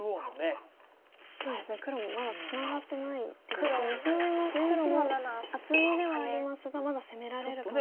右上の黒も厚みではありますがまだ攻められる可能性も。